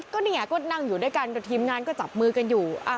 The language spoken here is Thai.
ก็นั่งอยู่ด้วยกันทีมงานก็จับมือกันอยู่